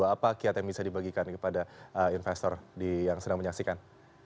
apa kiat yang bisa dibagikan kepada investor yang sedang menyaksikan